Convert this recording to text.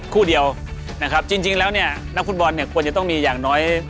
คู่เดียวนะครับจริงแล้วเนี่ยนักฟุตบอลเนี่ยควรจะต้องมีอย่างน้อย